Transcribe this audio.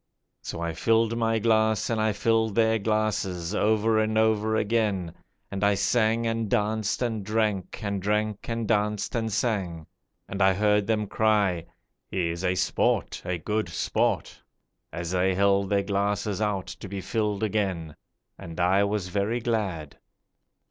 So I filled my glass, and I filled their glasses, over and over again, And I sang and danced and drank, and drank and danced and sang, And I heard them cry, 'He is a sport, a good sport!' As they held their glasses out to be filled again. And I was very glad.